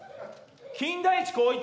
金田一光一。